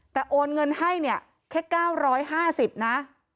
แต่โอนเงินให้แค่๙๕๐บาทนะ